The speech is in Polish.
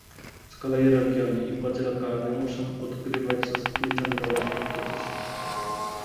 Z kolei regiony i władze lokalne muszą odgrywać zasadniczą rolę w tym procesie